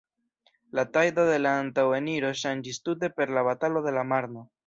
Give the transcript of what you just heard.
La tajdo de la antaŭeniro ŝanĝis tute per la Batalo de la Marno.